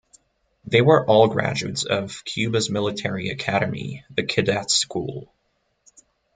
They were all graduates of Cuba's military academy, the Cadet School.